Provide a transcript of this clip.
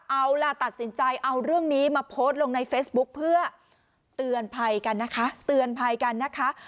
เอาล่ะตัดสินใจเอาเรื่องนี้มาโพสต์ลงในเฟซบุ๊คเพื่อเตือนภัยกันนะคะเตือนภัยกันนะคะ